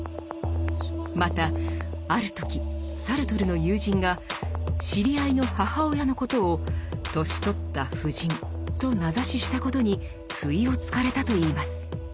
またある時サルトルの友人が知り合いの母親のことを「年取った婦人」と名指ししたことに不意をつかれたといいます。